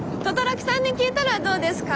轟さんに聞いたらどうですか？